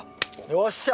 よっしゃ！